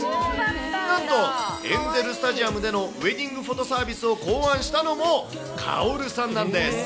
なんと、エンゼルスタジアムでのウエディングフォトサービスを考案したのも、カオルさんなんです。